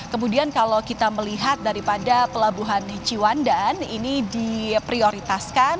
kemudian kalau kita melihat daripada pelabuhan ciwandan ini diprioritaskan